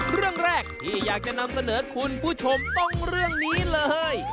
เรื่องแรกที่อยากจะนำเสนอคุณผู้ชมต้องเรื่องนี้เลย